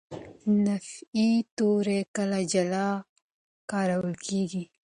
نفي توري کله جلا کارول کېږي.